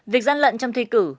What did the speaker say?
việc gian lận trong thi cử